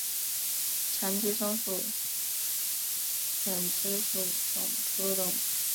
长鼻松鼠属等之数种哺乳动物。